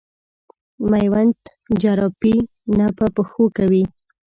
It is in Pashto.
مېوند جراپي نه په پښو کوي.